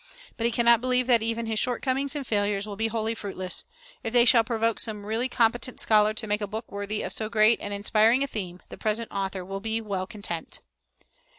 But he cannot believe that even his shortcomings and failures will be wholly fruitless. If they shall provoke some really competent scholar to make a book worthy of so great and inspiring a theme, the present author will be well content.